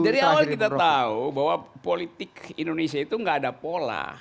dari awal kita tahu bahwa politik indonesia itu nggak ada pola